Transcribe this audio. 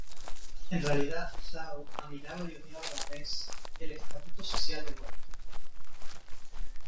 En realidad, Thaw admiraba y odiaba a la vez el estatus social de White.